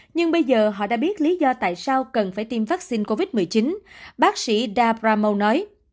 nhưng bây giờ họ đã biết lý do tại sao cần phải tiêm vaccine covid một mươi chín bác sĩ dabramo nói